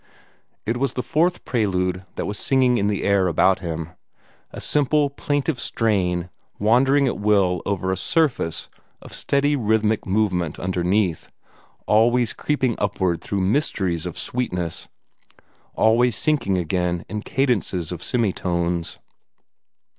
It was the Fourth Prelude that was singing in the air about him a simple, plaintive strain wandering at will over a surface of steady rhythmic movement underneath, always creeping upward through mysteries of sweetness, always sinking again in cadences of semi tones.